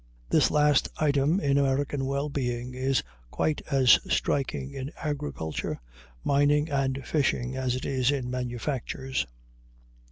This last item in American well being is quite as striking in agriculture, mining, and fishing, as it is in manufactures.